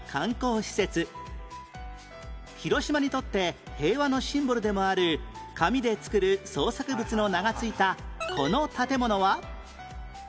広島にとって平和のシンボルでもある紙で作る創作物の名が付いたこの建物は？